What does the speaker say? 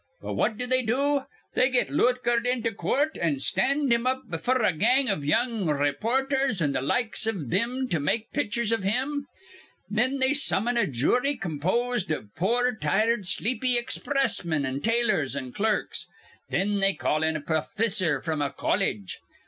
"But what do they do? They get Lootgert into coort an' stand him up befure a gang iv young rayporthers an' th' likes iv thim to make pitchers iv him. Thin they summon a jury composed iv poor tired, sleepy expressmen an' tailors an' clerks. Thin they call in a profissor from a colledge.